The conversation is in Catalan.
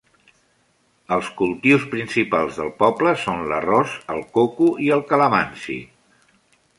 Els cultius principals del poble són l'arròs, el coco i el calamansi.